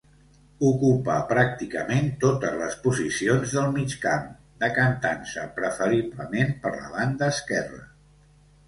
Ocupà pràcticament totes les posicions del migcamp, decantant-se preferiblement per la banda esquerra.